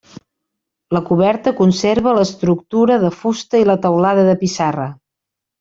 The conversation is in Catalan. La coberta conserva l'estructura de fusta i la teulada de pissarra.